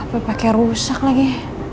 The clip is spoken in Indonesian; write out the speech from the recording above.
apa pake rusak lagi